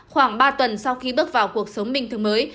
khoảng ba tuần sau khi bước vào cuộc sống bình thường mới